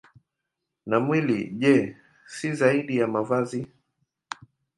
Na mwili, je, si zaidi ya mavazi?